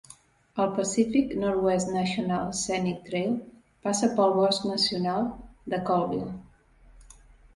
El Pacific Northwest National Scenic Trail passa pel bosc nacional de Colville.